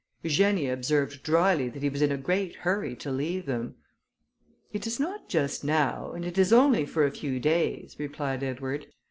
Eugenia observed drily, that he was in a great hurry to leave them. "It is not just now, and it is only for a few days," replied Edward.